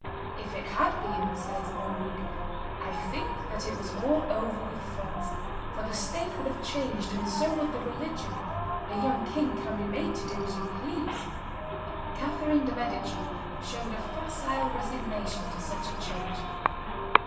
"If it had been," says Montluc, "I think that it was all over with France, for the state would have changed, and so would the religion; a young king can be made to do as you please;" Catherine de' Medici showed a facile resignation to such a change.